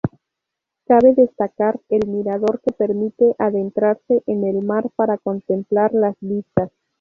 Cabe destacar el mirador, que permite adentrarse en el mar para contemplar las vistas.